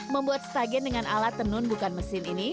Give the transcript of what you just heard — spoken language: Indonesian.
membuat stagen dengan alat tenun bukan mesin ini